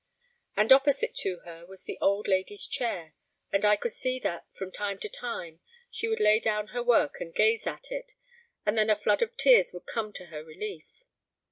And opposite to her was the old lady's chair, and I could see that, from time to time, she would lay down her work and gaze at it, and then a flood of tears would come to her relief.